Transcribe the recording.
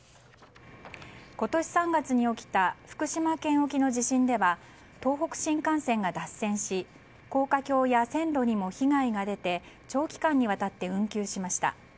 今年３月に起きた福島県沖の地震では東北新幹線が脱線し高架橋や線路にも被害が出て長期間にわたって運休しました。